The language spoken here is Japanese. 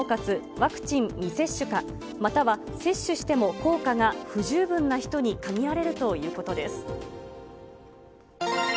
ワクチン未接種か、または接種しても効果が不十分な人に限られるということです。